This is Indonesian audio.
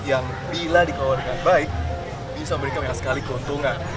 yang bila dikelola dengan baik bisa memberikan banyak sekali keuntungan